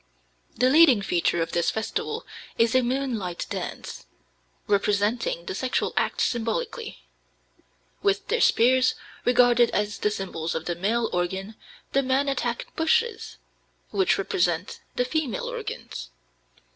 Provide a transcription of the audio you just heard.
The leading feature of this festival is a moonlight dance, representing the sexual act symbolically. With their spears, regarded as the symbols of the male organ, the men attack bushes, which represent the female organs.